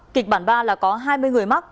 kịch bản ba là có hai mươi người mắc